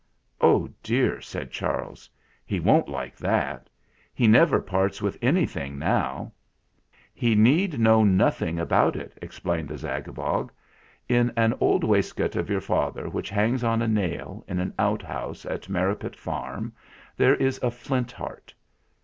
"Oh, dear!" said Charles. "He won't like that. He never parts with anything now." THE SAD STRANGER 157 "He need know nothing about it," explained the Zagabog. "In an old waistcoat of your father which hangs on a nail in an outhouse at Merripit Farm there is a Flint Heart.